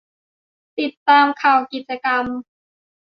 ติดตามข่าวกิจกรรม